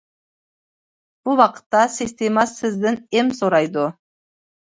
بۇ ۋاقىتتا سىستېما سىزدىن ئىم سورايدۇ.